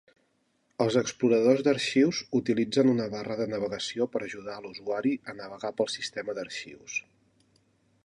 Els exploradors d"arxius utilitzen una barra de navegació per ajudar a l"usuari a navegar pel sistema d"arxius.